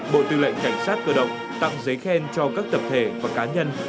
bộ tư lệnh cảnh sát cơ động tặng giấy khen cho các tập thể và cá nhân